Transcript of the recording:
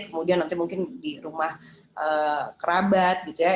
kemudian nanti mungkin di rumah kerabat gitu ya